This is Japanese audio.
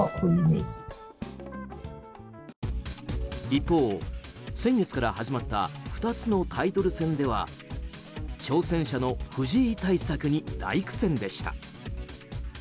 一方、先月から始まった２つのタイトル戦では挑戦者の藤井対策に大苦戦でした。